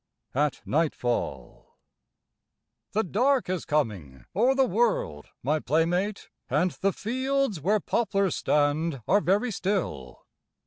86 AT NIGHTFALL The dark is coming o'er the world, my playmate, And the fields where poplars stand are very still.